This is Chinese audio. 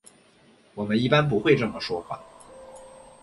我们一般不会这么说话。